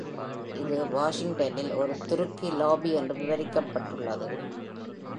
இது "வாஷிங்டனில் ஒரு 'துருக்கி லாபி' என்று விவரிக்கப்பட்டுள்ளது.